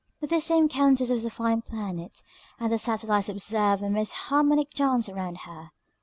This same Countess was a fine planet, and the satellites observed a most harmonic dance around her.